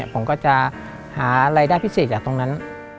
ผมก็จะหารายได้พิเศษจากตรงนั้น